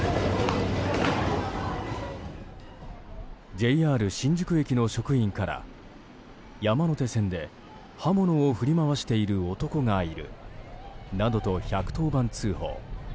ＪＲ新宿駅の職員から山手線で刃物を振り回している男がいるなどと１１０番通報。